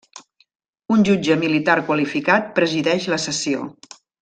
Un jutge militar qualificat presideix la sessió.